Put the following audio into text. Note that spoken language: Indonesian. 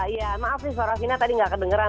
iya maaf sih suara fina tadi gak kedengeran